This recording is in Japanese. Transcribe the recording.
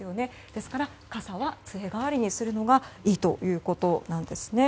ですから傘は杖代わりにするのがいいということです。